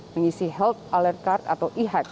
mengisi health alert card atau ihec